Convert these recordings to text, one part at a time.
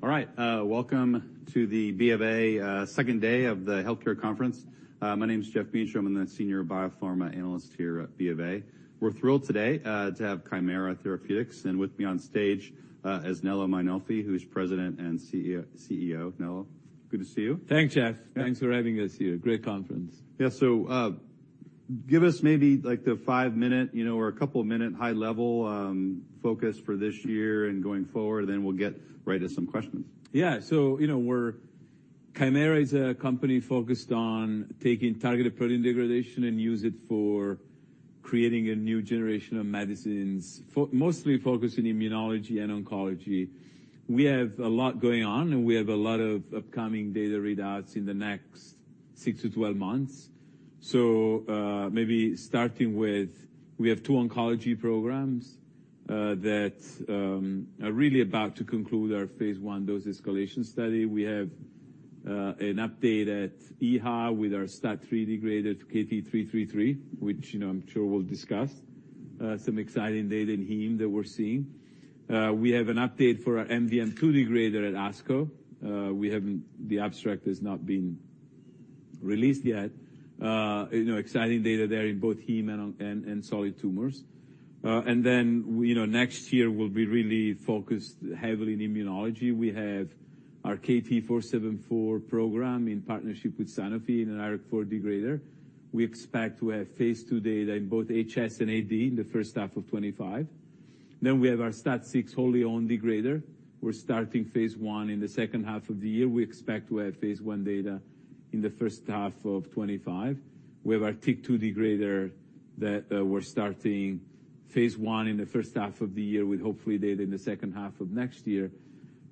All right, welcome to the B of A second day of the healthcare conference. My name is Geoff Meacham. I'm the Senior Biopharma Analyst here at B of A. We're thrilled today to have Kymera Therapeutics, and with me on stage is Nello Mainolfi, who's President and CEO. Nello, good to see you. Thanks, Geoff. Yeah. Thanks for having us here. Great conference. Yeah. So, give us maybe, like, the five-minute, you know, or a couple-minute high-level, focus for this year and going forward, and then we'll get right to some questions. Yeah. So, you know, we're—Kymera is a company focused on taking targeted protein degradation and use it for creating a new generation of medicines, mostly focused in immunology and oncology. We have a lot going on, and we have a lot of upcoming data readouts in the next 6-12 months. So, maybe starting with, we have two oncology programs that are really about to conclude our phase 1 dose escalation study. We have an update at EHA with our STAT3 degrader, KT-333, which, you know, I'm sure we'll discuss. Some exciting data in heme that we're seeing. We have an update for our MDM2 degrader at ASCO. We haven't... The abstract has not been released yet. You know, exciting data there in both heme and solid tumors. And then, you know, next year, we'll be really focused heavily in immunology. We have our KT-474 program in partnership with Sanofi, an IRAK4 degrader. We expect to have phase 2 data in both HS and AD in the first half of 2025. Then we have our STAT6 wholly owned degrader. We're starting phase 1 in the second half of the year. We expect to have phase 1 data in the first half of 2025. We have our TYK2 degrader that, we're starting phase 1 in the first half of the year, with hopefully data in the second half of next year.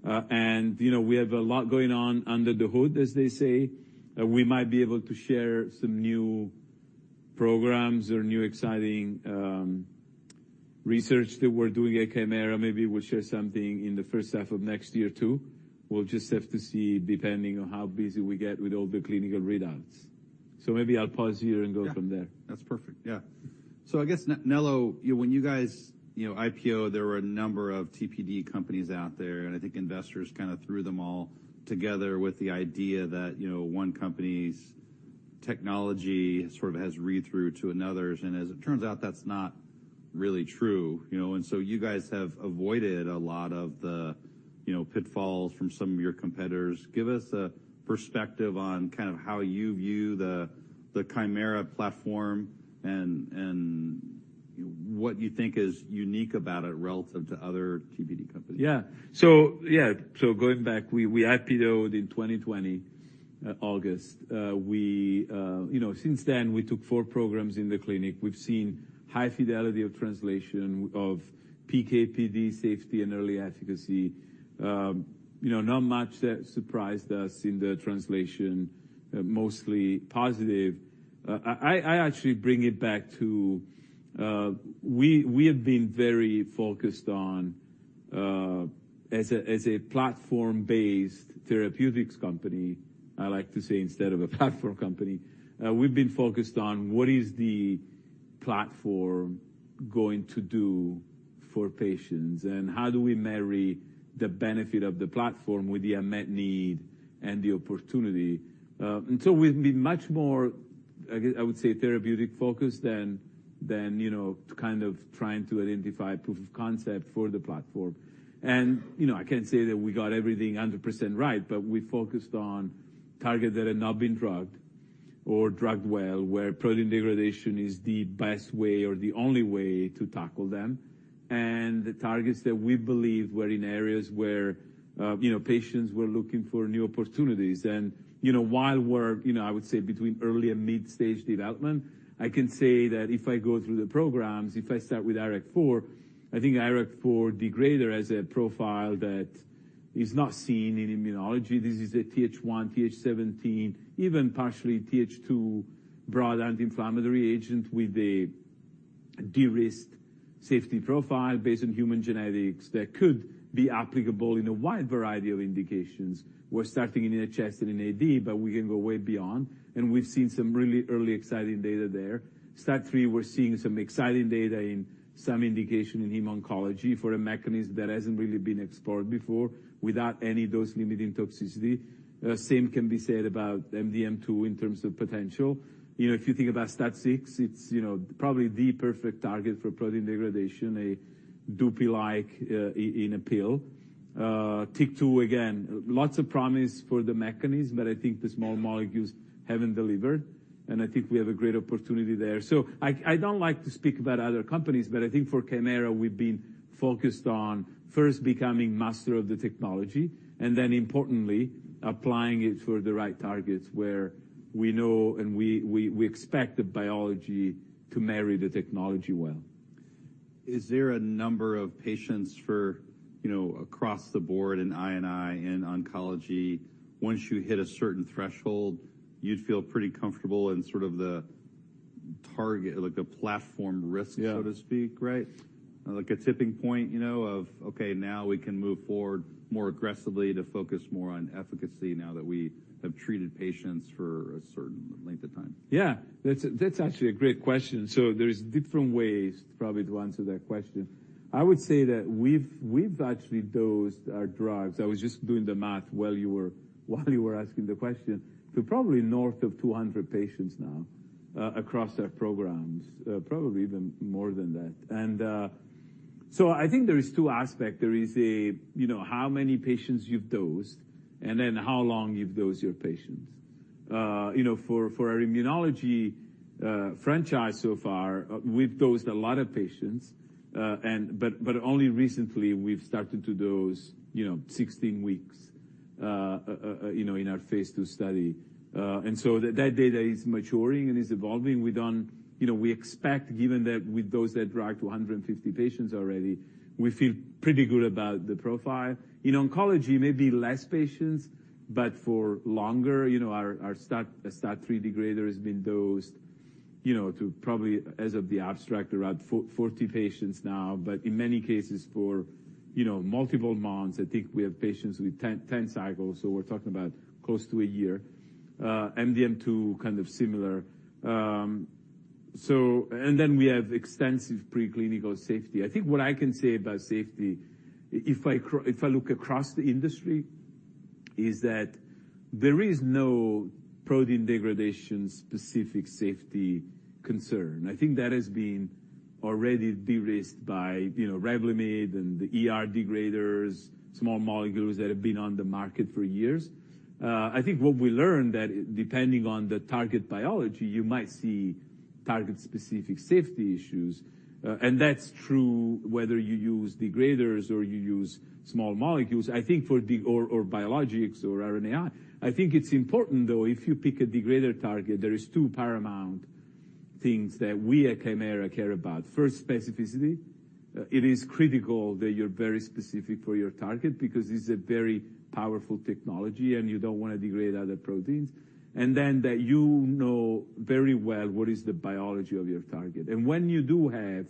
And, you know, we have a lot going on under the hood, as they say. We might be able to share some new programs or new exciting research that we're doing at Kymera. Maybe we'll share something in the first half of next year, too. We'll just have to see, depending on how busy we get with all the clinical readouts. So maybe I'll pause here and go from there. Yeah, that's perfect. Yeah. So I guess, Nello, you know, when you guys, you know, IPO'd, there were a number of TPD companies out there, and I think investors kind of threw them all together with the idea that, you know, one company's technology sort of has read through to another's. And as it turns out, that's not really true, you know. And so you guys have avoided a lot of the, you know, pitfalls from some of your competitors. Give us a perspective on kind of how you view the Kymera platform and what you think is unique about it relative to other TPD companies. Yeah. So, yeah, so going back, we IPO'd in 2020, August. You know, since then, we took four programs in the clinic. We've seen high fidelity of translation of PK/PD safety and early efficacy. You know, not much that surprised us in the translation, mostly positive. I actually bring it back to, we have been very focused on, as a platform-based therapeutics company, I like to say, instead of a platform company, we've been focused on what is the platform going to do for patients? And how do we marry the benefit of the platform with the unmet need and the opportunity? And so we've been much more, I would say, therapeutic focused than, you know, kind of trying to identify proof of concept for the platform. You know, I can't say that we got everything 100% right, but we focused on targets that had not been drugged or drugged well, where protein degradation is the best way or the only way to tackle them, and the targets that we believe were in areas where, you know, patients were looking for new opportunities. You know, while we're, you know, I would say between early and mid-stage development, I can say that if I go through the programs, if I start with IRAK4, I think IRAK4 degrader has a profile that is not seen in immunology. This is a Th1, Th17, even partially Th2 broad anti-inflammatory agent with a de-risked safety profile based on human genetics that could be applicable in a wide variety of indications. We're starting in HS and in AD, but we can go way beyond, and we've seen some really early exciting data there. STAT3, we're seeing some exciting data in some indication in heme oncology for a mechanism that hasn't really been explored before, without any dose-limiting toxicity. Same can be said about MDM2 in terms of potential. You know, if you think about STAT6, it's, you know, probably the perfect target for protein degradation, a Dupi-like in a pill. TYK2, again, lots of promise for the mechanism, but I think the small molecules haven't delivered, and I think we have a great opportunity there. I don't like to speak about other companies, but I think for Kymera, we've been focused on first becoming master of the technology, and then importantly, applying it for the right targets, where we know and we expect the biology to marry the technology well. Is there a number of patients for, you know, across the board in I&I and oncology, once you hit a certain threshold, you'd feel pretty comfortable in sort of the target, like a platform risk? Yeah so to speak, right? Like a tipping point, you know, of, okay, now we can move forward more aggressively to focus more on efficacy now that we have treated patients for a certain length of time. Yeah, that's actually a great question. So there is different ways probably to answer that question. I would say that we've actually dosed our drugs. I was just doing the math while you were asking the question, to probably north of 200 patients now, across our programs, probably even more than that. So I think there is two aspect. There is, you know, how many patients you've dosed, and then how long you've dosed your patients. You know, for our immunology franchise so far, we've dosed a lot of patients, and but only recently we've started to dose, you know, 16 weeks, you know, in our phase 2 study. And so that data is maturing and is evolving. We don't. You know, we expect, given that we've dosed that drug to 150 patients already, we feel pretty good about the profile. In oncology, maybe less patients, but for longer. You know, our STAT3 degrader has been dosed, you know, to probably, as of the abstract, around 40 patients now, but in many cases for, you know, multiple months. I think we have patients with 10 cycles, so we're talking about close to a year. MDM2, kind of similar. So... And then we have extensive preclinical safety. I think what I can say about safety, if I look across the industry, is that there is no protein degradation-specific safety concern. I think that has been already de-risked by, you know, Revlimid and the E3 degraders, small molecules that have been on the market for years. I think what we learned that, depending on the target biology, you might see target-specific safety issues, and that's true whether you use degraders or you use small molecules. I think or biologics or RNAi. I think it's important, though, if you pick a degrader target, there is two paramount things that we at Kymera care about. First, specificity. It is critical that you're very specific for your target because this is a very powerful technology, and you don't want to degrade other proteins. And then that you know very well what is the biology of your target. And when you do have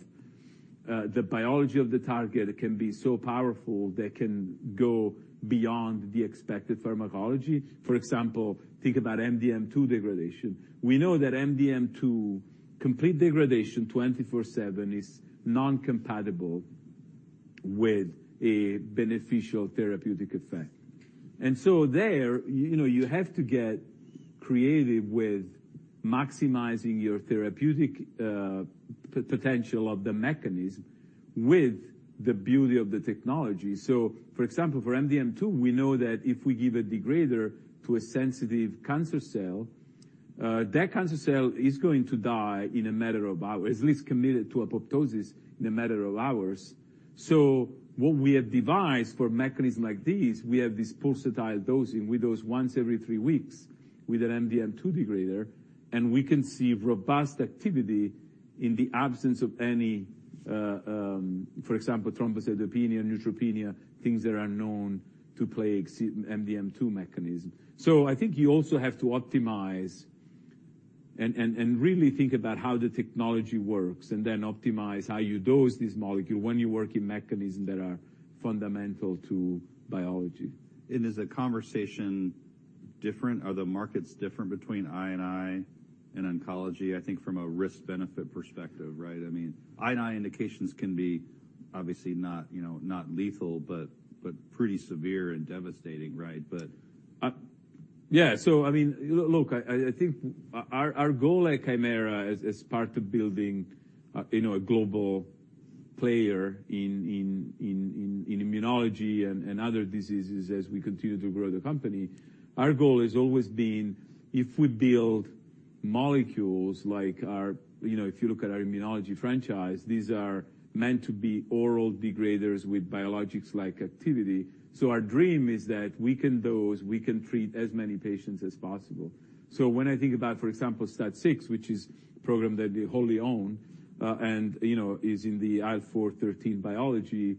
the biology of the target, it can be so powerful that it can go beyond the expected pharmacology. For example, think about MDM2 degradation. We know that MDM2 complete degradation 24/7 is non-compatible with a beneficial therapeutic effect. And so there, you know, you have to get creative with maximizing your therapeutic potential of the mechanism with the beauty of the technology. So for example, for MDM2, we know that if we give a degrader to a sensitive cancer cell, that cancer cell is going to die in a matter of hours, at least committed to apoptosis in a matter of hours. So what we have devised for mechanism like this, we have this pulsatile dosing. We dose once every three weeks with an MDM2 degrader, and we can see robust activity in the absence of any, for example, thrombocytopenia, neutropenia, things that are known to plague the MDM2 mechanism. So I think you also have to optimize and really think about how the technology works, and then optimize how you dose this molecule when you work in mechanisms that are fundamental to biology. Is the conversation different, are the markets different between I and I and oncology, I think from a risk-benefit perspective, right? I mean, I and I indications can be obviously not, you know, not lethal, but pretty severe and devastating, right? But- Yeah. So I mean, look, I think our goal at Kymera as part of building, you know, a global player in immunology and other diseases as we continue to grow the company, our goal has always been if we build molecules like our... You know, if you look at our immunology franchise, these are meant to be oral degraders with biologics-like activity. So our dream is that we can dose, we can treat as many patients as possible. So when I think about, for example, STAT6, which is a program that we wholly own, and, you know, is in the IL-4/IL-13 biology,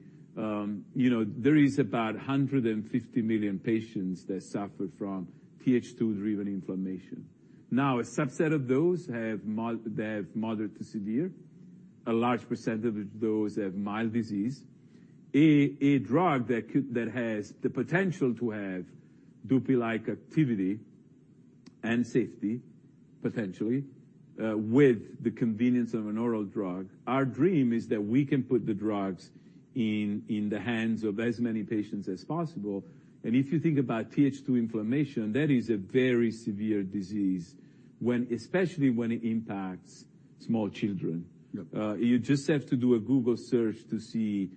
you know, there is about 150 million patients that suffer from Th2-driven inflammation. Now, a subset of those have mild-- they have moderate to severe. A large percentage of those have mild disease. A drug that could, that has the potential to have Dupixent activity and safety, potentially, with the convenience of an oral drug, our dream is that we can put the drugs in the hands of as many patients as possible. If you think about Th2 inflammation, that is a very severe disease, when, especially when it impacts small children. Yep. You just have to do a Google search to see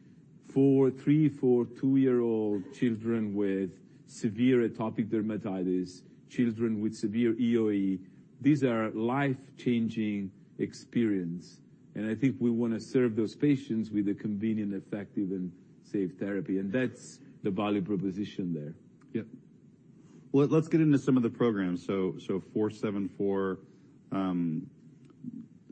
4-, 3-, 4-, 2-year-old children with severe atopic dermatitis, children with severe EoE. These are life-changing experience, and I think we want to serve those patients with a convenient, effective, and safe therapy, and that's the value proposition there. Yep. Well, let's get into some of the programs. So, KT-474,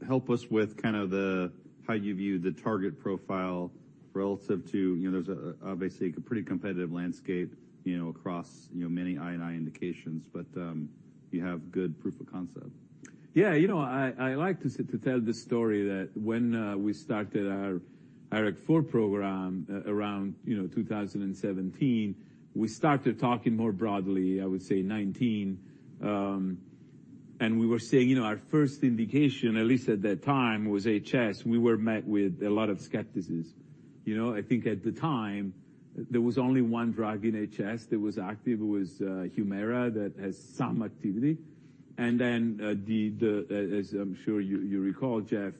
help us with kind of the, how you view the target profile relative to, you know, there's obviously a pretty competitive landscape, you know, across, you know, many I and I indications, but, you have good proof of concept. ...Yeah, you know, I like to tell the story that when we started our IRAK4 program around, you know, 2017, we started talking more broadly, I would say 2019. And we were saying, you know, our first indication, at least at that time, was HS. We were met with a lot of skepticism. You know, I think at the time, there was only one drug in HS that was active. It was Humira, that has some activity. And then the, as I'm sure you recall, Geoff,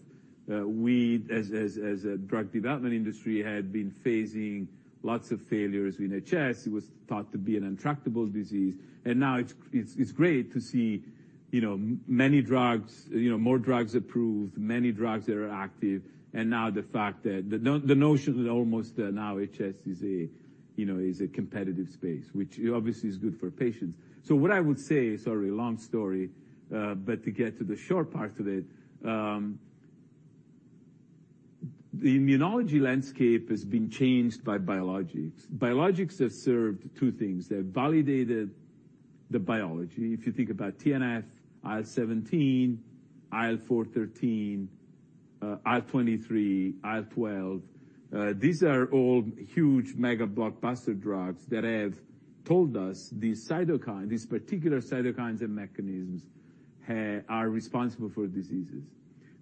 we as a drug development industry, had been facing lots of failures in HS. It was thought to be an intractable disease, and now it's great to see, you know, many drugs, you know, more drugs approved, many drugs that are active, and now the fact that the notion that almost now HS is a, you know, is a competitive space, which obviously is good for patients. So what I would say, sorry, long story, but to get to the short part of it, the immunology landscape has been changed by biologics. Biologics have served two things. They've validated the biology. If you think about TNF, IL-17, IL-4, IL-13, IL-23, IL-12, these are all huge mega blockbuster drugs that have told us these cytokine, these particular cytokines and mechanisms are responsible for diseases.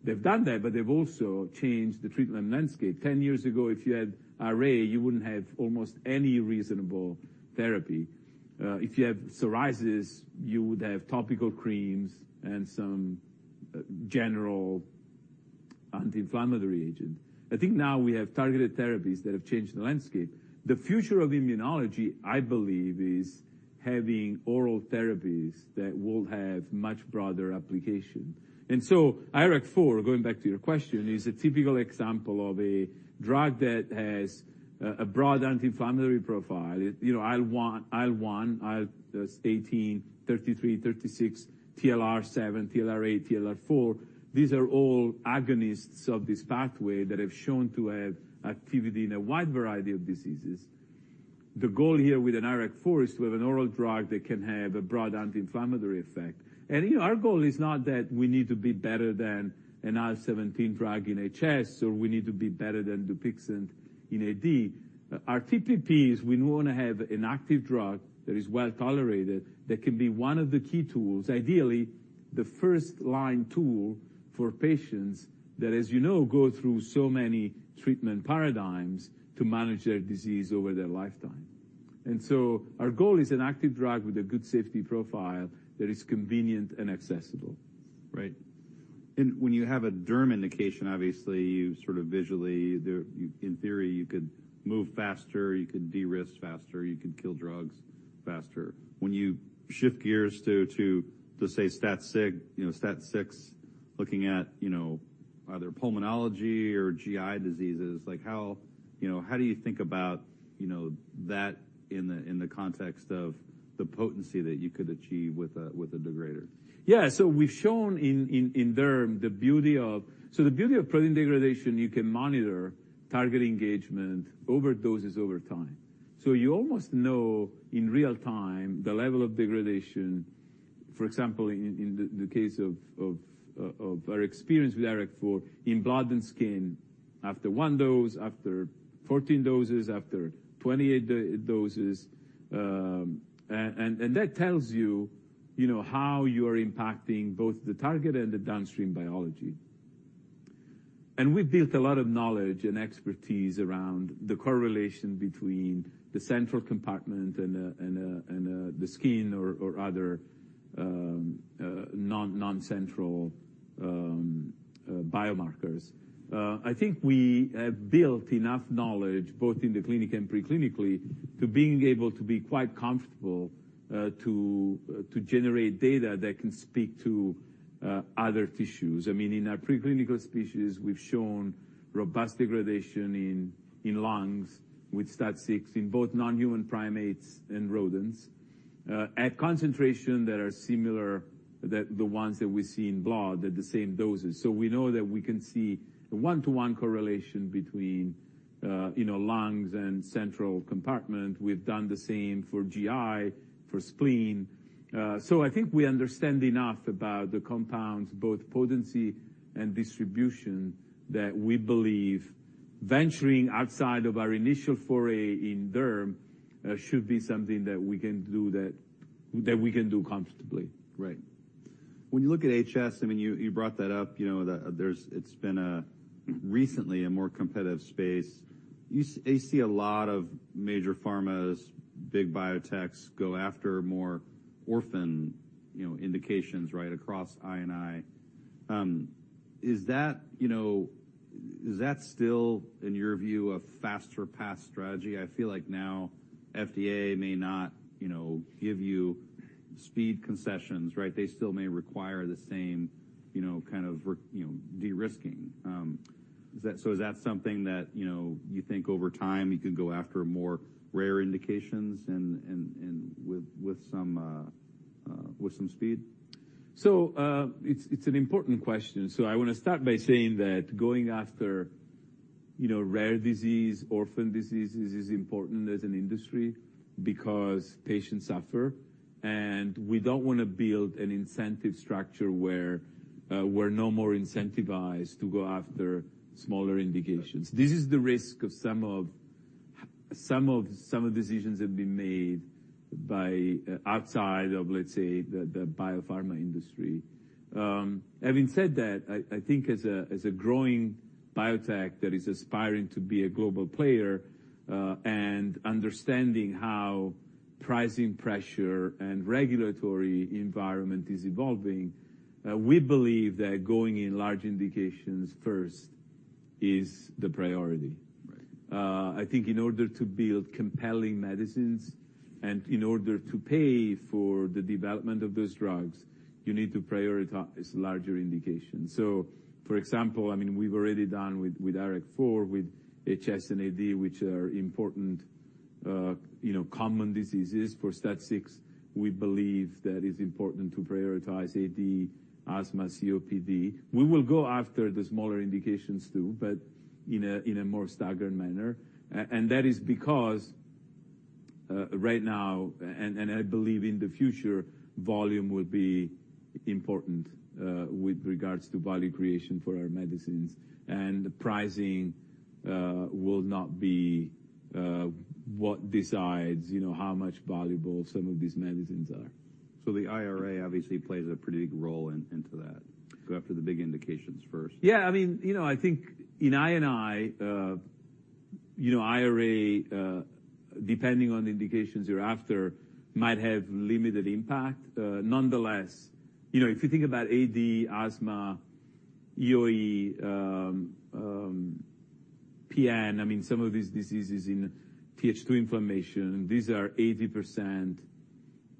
They've done that, but they've also changed the treatment landscape. Ten years ago, if you had RA, you wouldn't have almost any reasonable therapy. If you have psoriasis, you would have topical creams and some general anti-inflammatory agent. I think now we have targeted therapies that have changed the landscape. The future of immunology, I believe, is having oral therapies that will have much broader application. And so IRAK4, going back to your question, is a typical example of a drug that has a broad anti-inflammatory profile. You know, IL-1, IL-1, IL-18, IL-33, IL-36, TLR7, TLR8, TLR4, these are all agonists of this pathway that have shown to have activity in a wide variety of diseases. The goal here with an IRAK4 is to have an oral drug that can have a broad anti-inflammatory effect. You know, our goal is not that we need to be better than an IL-17 drug in HS, or we need to be better than Dupixent in AD. Our TPP is we want to have an active drug that is well-tolerated, that can be one of the key tools, ideally, the first-line tool for patients that, as you know, go through so many treatment paradigms to manage their disease over their lifetime. And so our goal is an active drug with a good safety profile that is convenient and accessible. Right. And when you have a derm indication, obviously, you sort of visually... there, you-- in theory, you could move faster, you could de-risk faster, you could kill drugs faster. When you shift gears to, to, let's say, STAT6, you know, STAT6, looking at, you know, either pulmonology or GI diseases, like how, you know, how do you think about, you know, that in the, in the context of the potency that you could achieve with a, with a degrader? Yeah. So we've shown in derm the beauty of... So the beauty of protein degradation, you can monitor target engagement over time. So you almost know in real time the level of degradation, for example, in the case of our experience with IRAK4 in blood and skin, after one dose, after 14 doses, after 28 doses. And that tells you, you know, how you are impacting both the target and the downstream biology. And we've built a lot of knowledge and expertise around the correlation between the central compartment and the skin or other non-central biomarkers. I think we have built enough knowledge, both in the clinic and pre-clinically, to being able to be quite comfortable to generate data that can speak to other tissues. I mean, in our pre-clinical species, we've shown robust degradation in lungs with STAT6 in both non-human primates and rodents at concentrations that are similar to the ones that we see in blood at the same doses. So we know that we can see a one-to-one correlation between, you know, lungs and central compartment. We've done the same for GI, for spleen. So I think we understand enough about the compounds, both potency and distribution, that we believe venturing outside of our initial foray in derm should be something that we can do comfortably. Right. When you look at HS, I mean, you brought that up, you know, there's it's been recently a more competitive space. You see a lot of major pharmas, big biotechs, go after more orphan, you know, indications right across I and I. Is that, you know, is that still, in your view, a faster path strategy? I feel like now FDA may not, you know, give you speed concessions, right? They still may require the same, you know, kind of work, you know, de-risking. Is that so is that something that, you know, you think over time you could go after more rare indications and with some speed? So, it's an important question. So I want to start by saying that going after—you know, rare disease, orphan diseases is important as an industry because patients suffer, and we don't want to build an incentive structure where we're no more incentivized to go after smaller indications. This is the risk of some decisions have been made by outside of, let's say, the biopharma industry. Having said that, I think as a growing biotech that is aspiring to be a global player, and understanding how pricing pressure and regulatory environment is evolving, we believe that going in large indications first is the priority. Right. I think in order to build compelling medicines, and in order to pay for the development of those drugs, you need to prioritize larger indications. So for example, I mean, we've already done with IRAK4, with HS and AD, which are important, you know, common diseases. For STAT6, we believe that it's important to prioritize AD, asthma, COPD. We will go after the smaller indications, too, but in a more staggered manner. And that is because, right now, and I believe in the future, volume will be important, with regards to value creation for our medicines. And the pricing, will not be, what decides, you know, how much valuable some of these medicines are. The IRA obviously plays a pretty big role into that. Go after the big indications first. Yeah. I mean, you know, I think, you know, IRA, depending on the indications you're after, might have limited impact. Nonetheless, you know, if you think about AD, asthma, EoE, PN, I mean, some of these diseases in TH2 inflammation, these are 80%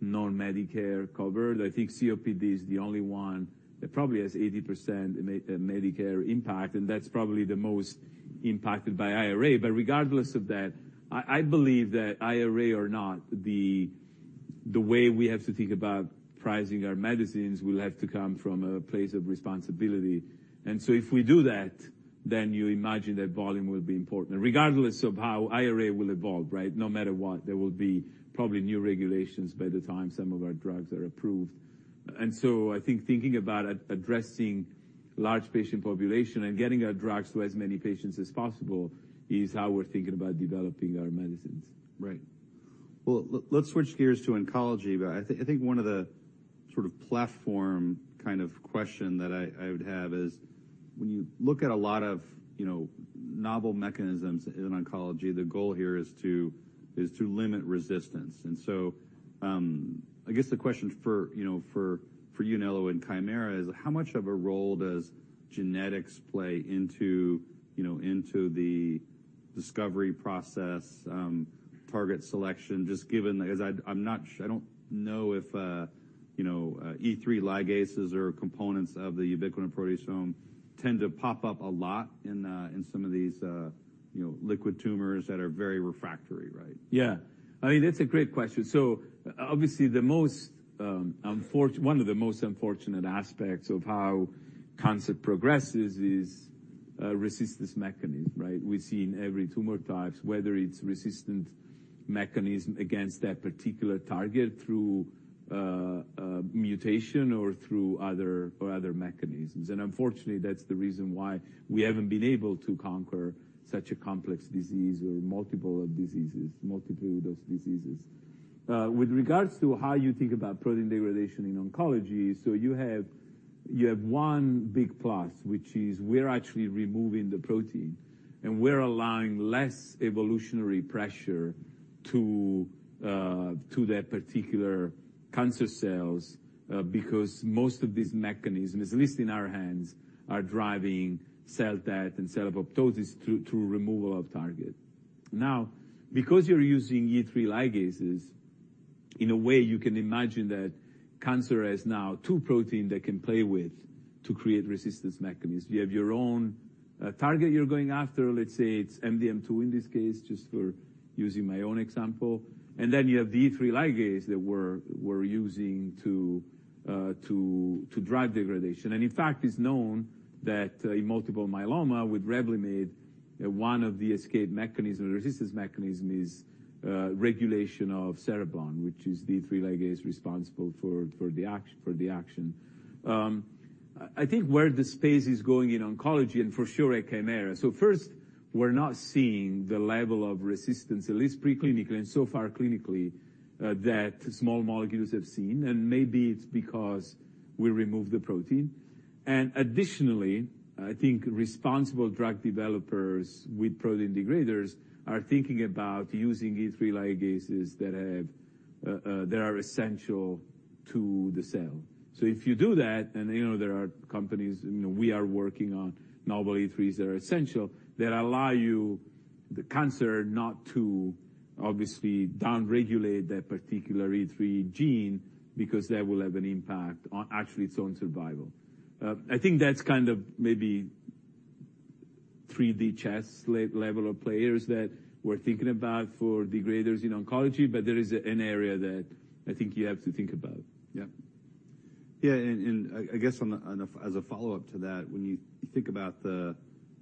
non-Medicare covered. I think COPD is the only one that probably has 80% Medicare impact, and that's probably the most impacted by IRA. But regardless of that, I believe that IRA or not, the way we have to think about pricing our medicines will have to come from a place of responsibility. And so if we do that, then you imagine that volume will be important, and regardless of how IRA will evolve, right? No matter what, there will be probably new regulations by the time some of our drugs are approved. And so I think thinking about addressing large patient population and getting our drugs to as many patients as possible is how we're thinking about developing our medicines. Right. Well, let's switch gears to oncology. But I think one of the sort of platform kind of question that I would have is, when you look at a lot of, you know, novel mechanisms in oncology, the goal here is to limit resistance. And so, I guess the question for, you know, for you, Nello, and Kymera is how much of a role does genetics play into, you know, into the discovery process, target selection, just given, because I, I'm not sure. I don't know if, you know, E3 ligases or components of the ubiquitin proteasome tend to pop up a lot in some of these, you know, liquid tumors that are very refractory, right? Yeah. I mean, that's a great question. So obviously, one of the most unfortunate aspects of how cancer progresses is resistance mechanism, right? We see in every tumor types, whether it's resistance mechanism against that particular target through mutation or through other mechanisms. And unfortunately, that's the reason why we haven't been able to conquer such a complex disease or multiple diseases, multitude of those diseases. With regards to how you think about protein degradation in oncology, so you have one big plus, which is we're actually removing the protein, and we're allowing less evolutionary pressure to that particular cancer cells, because most of these mechanisms, at least in our hands, are driving cell death and cell apoptosis through removal of target. Now, because you're using E3 ligases, in a way, you can imagine that cancer has now two protein they can play with to create resistance mechanism. You have your own target you're going after, let's say it's MDM2 in this case, just for using my own example. And then you have the E3 ligase that we're using to drive degradation. And in fact, it's known that in multiple myeloma with Revlimid, one of the escape mechanism, resistance mechanism, is regulation of cereblon, which is the E3 ligase responsible for the action. I think where the space is going in oncology, and for sure at Kymera. So first, we're not seeing the level of resistance, at least preclinically, and so far clinically, that small molecules have seen, and maybe it's because we removed the protein. Additionally, I think responsible drug developers with protein degraders are thinking about using E3 ligases that have, that are essential to the cell. So if you do that, and you know there are companies, you know, we are working on novel E3s that are essential, that allow you, the cancer, not to obviously downregulate that particular E3 gene, because that will have an impact on actually its own survival. I think that's kind of maybe 3D chess level of players that we're thinking about for degraders in oncology, but there is an area that I think you have to think about. Yeah.... Yeah, and I guess on a as a follow-up to that, when you think about the,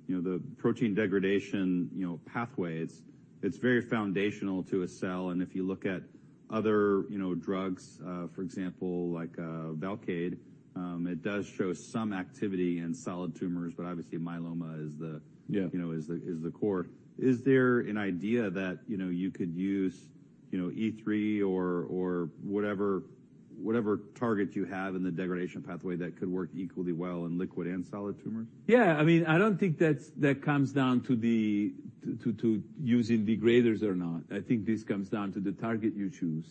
you know, the protein degradation, you know, pathways, it's very foundational to a cell, and if you look at other, you know, drugs, for example, like Velcade, it does show some activity in solid tumors, but obviously myeloma is the- Yeah. You know, is the core. Is there an idea that, you know, you could use, you know, E3 or whatever target you have in the degradation pathway that could work equally well in liquid and solid tumors? Yeah. I mean, I don't think that's, that comes down to using degraders or not. I think this comes down to the target you choose.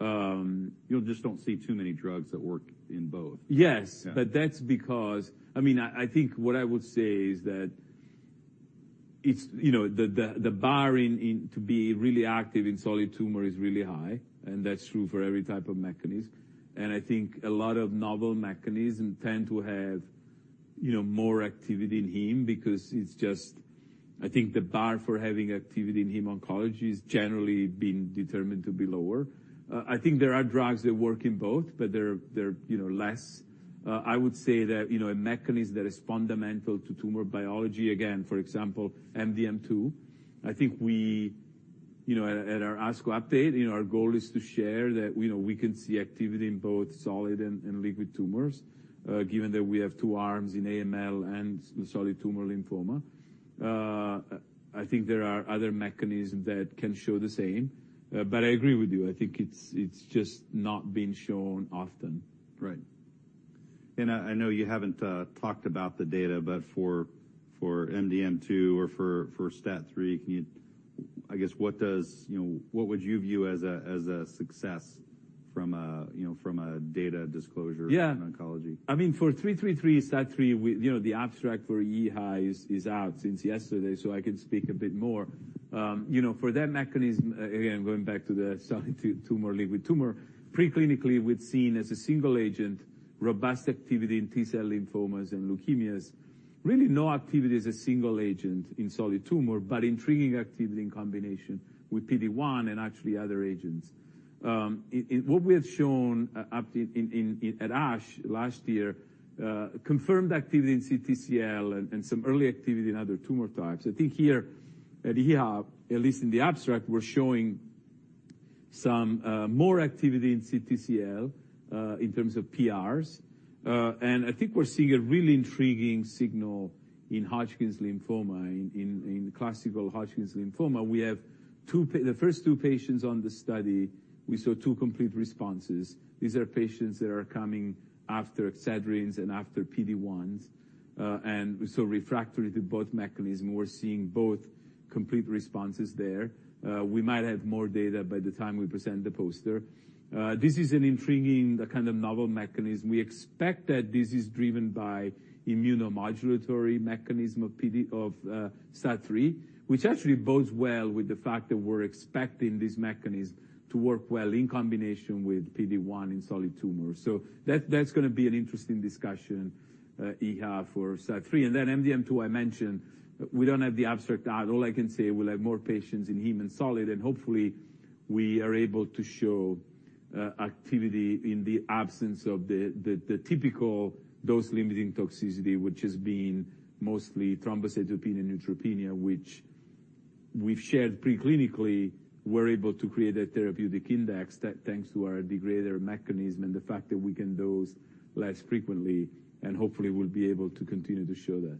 You just don't see too many drugs that work in both. Yes. Yeah. But that's because... I mean, I think what I would say is that it's, you know, the bar in to be really active in solid tumor is really high, and that's true for every type of mechanism. And I think a lot of novel mechanism tend to have, you know, more activity in heme, because it's just... I think the bar for having activity in heme oncology is generally being determined to be lower. I think there are drugs that work in both, but they're, you know, less. I would say that, you know, a mechanism that is fundamental to tumor biology, again, for example, MDM2, I think we, you know, at, at our ASCO update, you know, our goal is to share that, you know, we can see activity in both solid and, and liquid tumors, given that we have two arms in AML and solid tumor lymphoma. I think there are other mechanisms that can show the same, but I agree with you. I think it's, it's just not been shown often. Right. And I know you haven't talked about the data, but for MDM2 or for STAT3, can you... I guess, what does, you know, what would you view as a success from a, you know, from a data disclosure- Yeah -in oncology? I mean, for KT-333, STAT3, we, you know, the abstract for EHA is out since yesterday, so I can speak a bit more. You know, for that mechanism, again, going back to the solid tumor, liquid tumor, preclinically, we've seen as a single agent, robust activity in T-cell lymphomas and leukemias. Really no activity as a single agent in solid tumor, but intriguing activity in combination with PD-1 and actually other agents. In what we have shown up at ASH last year confirmed activity in CTCL and some early activity in other tumor types. I think here at EHA, at least in the abstract, we're showing some more activity in CTCL in terms of PRs. And I think we're seeing a really intriguing signal in Hodgkin's lymphoma. In classical Hodgkin's lymphoma, we have two, the first two patients on the study, we saw two complete responses. These are patients that are coming after standards and after PD-1s. And we saw refractory to both mechanisms, we're seeing both complete responses there. We might have more data by the time we present the poster. This is an intriguing, a kind of novel mechanism. We expect that this is driven by immunomodulatory mechanism of STAT3, which actually bodes well with the fact that we're expecting this mechanism to work well in combination with PD-1 in solid tumors. So that's gonna be an interesting discussion, EHA for STAT3. And then MDM2, I mentioned, we don't have the abstract out. All I can say, we'll have more patients in heme and solid, and hopefully, we are able to show activity in the absence of the typical dose-limiting toxicity, which has been mostly thrombocytopenia and neutropenia, which we've shared preclinically. We're able to create a therapeutic index that thanks to our degrader mechanism and the fact that we can dose less frequently, and hopefully, we'll be able to continue to show that.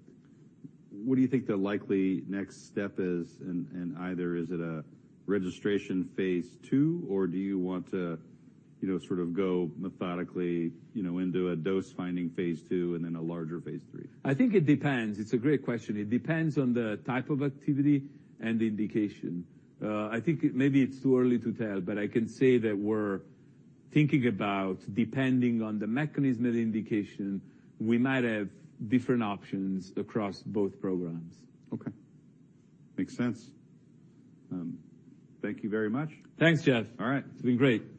What do you think the likely next step is? And either is it a registration phase 2, or do you want to, you know, sort of go methodically, you know, into a dose-finding phase 2 and then a larger phase 3? I think it depends. It's a great question. It depends on the type of activity and the indication. I think it, maybe it's too early to tell, but I can say that we're thinking about, depending on the mechanism of indication, we might have different options across both programs. Okay. Makes sense. Thank you very much. Thanks, Geoff. All right. It's been great.